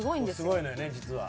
すごいのよね実は。